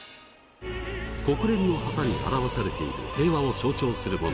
国連の旗に表されている平和を象徴するもの。